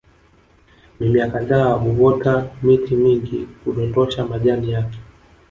Mimea kadhaa huota miti mingi hudondosha majani yake